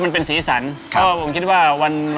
เป็นสีสัน